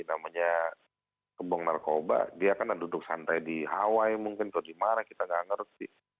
namanya gembong narkoba dia kan duduk santai di hawaii mungkin atau di mara kita tidak mengerti